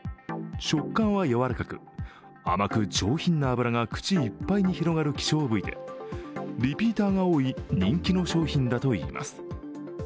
食感は柔らかく、甘く上品な脂が口いっぱいに広がる希少部位でリピーターが多い人気の商品だといいます。